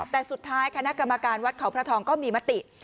แต่สุดท้ายคณะกรรมการวัดเขาพระทองก็มีมติ